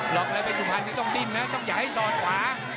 ต่อไปเป็นสุภัณฑ์ก็ต้องดิ้นนะต้องอย่าให้ซ่อนขวา